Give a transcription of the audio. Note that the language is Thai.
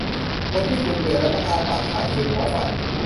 คนที่คุณเจอแล้วต้องอ้าปากค้าง คือหมอฟัน